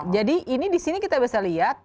jadi ini di sini kita bisa lihat